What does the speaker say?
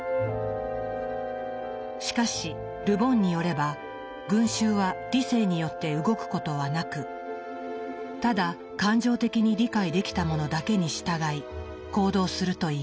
しかしル・ボンによれば群衆は理性によって動くことはなくただ感情的に理解できたものだけに従い行動するといいます。